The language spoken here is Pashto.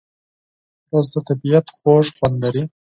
رس د طبیعت خوږ خوند لري